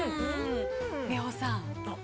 ◆美穂さん。